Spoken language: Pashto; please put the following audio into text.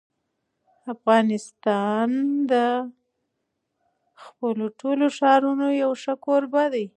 افغانستان د خپلو ټولو ښارونو یو ښه کوربه دی.